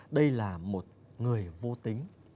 đây là một người vô tính